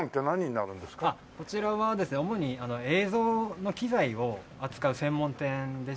こちらはですね主に映像の機材を扱う専門店でして。